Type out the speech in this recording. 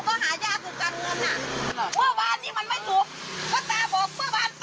ก็ตาร์บอกเมื่อวานตาไม่มาขายนี่